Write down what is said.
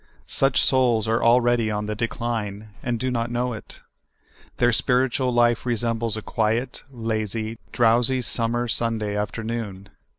Such souls are already on the decline, and do not know it. Their spiritual life re sembles a quiet, lazy , drowsy summer Sunda}' afternoon.